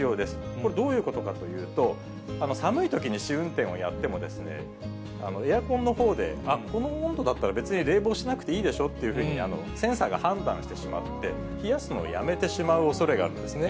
これ、どういうことかというと、寒いときに試運転をやっても、エアコンのほうで、あっ、この温度だったら、別に冷房しなくていいでしょっていうふうにセンサーが判断してしまって、冷やすのをやめてしまうおそれがあるんですね。